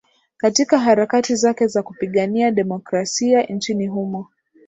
katika harakati zake za kupigania demokrasia nchini humo